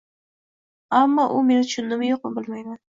ammo u meni tushundimi-yo‘qmi bilmayman.